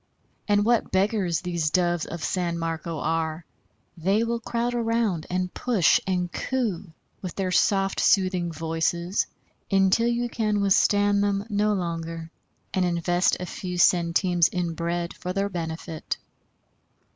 And what beggars these Doves of San Marco are! They will crowd around, and push and coo with their soft soothing voices, until you can withstand them no longer, and invest a few centimes in bread for their benefit.